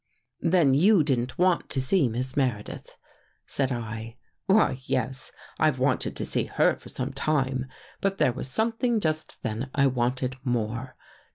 " Then you didn't want to see Miss Meredith, said I. " Why, yes. I*ve wanted to see her for some time. But there was something just then I wanted more.